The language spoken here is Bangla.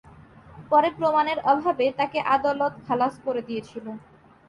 পরে প্রমাণের অভাবে তাকে আদালত খালাস দিয়েছিল।